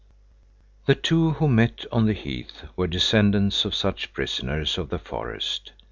The two who met on the heath were descendants of such prisoners of the forest.